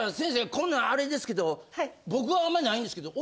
こんなんあれですけど僕はあんまりないんですけど。